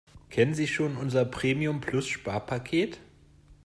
Kennen Sie schon unser Premium-Plus-Sparpaket?